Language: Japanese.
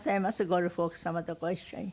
ゴルフ奥様とご一緒に。